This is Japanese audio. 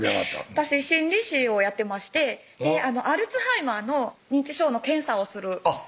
私心理士をやってましてアルツハイマーの認知症の検査をする人だったんです